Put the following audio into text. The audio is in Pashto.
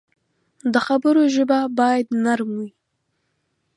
د خبرو ژبه باید نرم وي